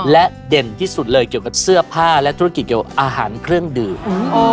และเด่นที่สุดเลยเกี่ยวกับเสื้อผ้าและธุรกิจเกี่ยวอาหารเครื่องดื่ม